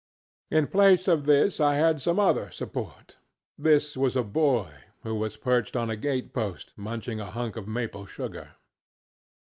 ŌĆØ In place of this I had some other support. This was a boy, who was perched on a gate post munching a hunk of maple sugar.